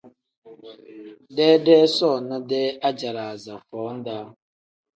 Deedee soona-dee ajalaaza foo -daa.